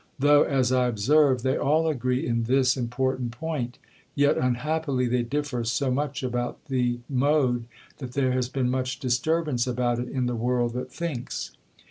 Though, as I observed, they all agree in this important point, yet unhappily they differ so much about the mode, that there has been much disturbance about it in the world that thinks.'